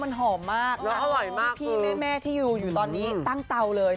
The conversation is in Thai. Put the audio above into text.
พี่แม่แม่ที่อยู่อยู่ตอนนี้ตั้งเตาเลย